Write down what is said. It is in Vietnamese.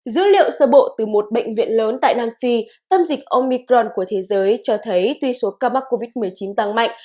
dữ liệu sơ bộ từ một bệnh viện lớn tại nam phi tâm dịch omicron của thế giới cho thấy tuy số ca mắc covid một mươi chín tăng mạnh